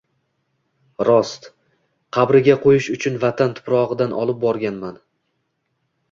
Rost, qabriga qo‘yish uchun vatan tuprog‘idan olib borganman.